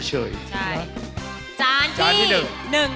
จานที่หนึ่งค่ะ